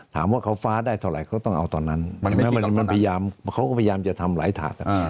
ถามว่าเขาฟ้าได้เท่าไหร่เขาต้องเอาตอนนั้นมันพยายามเขาก็พยายามจะทำหลายถาด